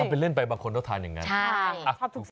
ถ้าเป็นเล่นไปบางคนก็ทานอย่างนั้นอักษัตริย์ค่ะใช่